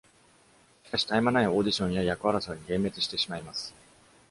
しかし、絶え間ないオーディションや役争いに幻滅してしまいます。